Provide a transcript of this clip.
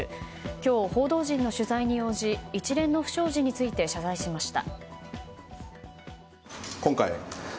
今日、報道陣の取材に応じ一連の不祥事について謝罪しました。